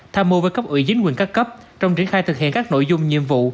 tham mô với cấp ủy dính quyền các cấp trong triển khai thực hiện các nội dung nhiệm vụ